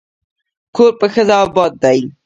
کور په ښځه اباد دی.